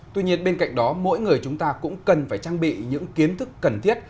tuy nhiên bên cạnh đó mỗi người chúng ta cũng cần phải trang bị những kiến thức cần thiết